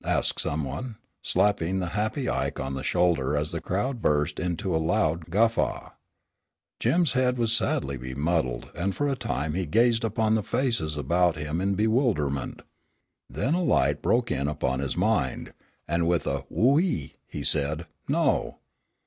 asked some one, slapping the happy Ike on the shoulder as the crowd burst into a loud guffaw. Jim's head was sadly bemuddled, and for a time he gazed upon the faces about him in bewilderment. Then a light broke in upon his mind, and with a "Whoo ee!" he said, "No!"